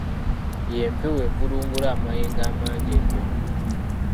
Ye mpewo evulungula amayengo amangi ennyo.